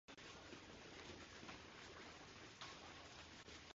They split their time between Colorado and Arizona.